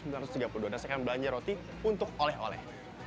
dan saya akan belanja roti untuk oleh oleh